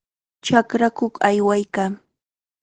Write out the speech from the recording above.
Chakrakuq aywaykaa.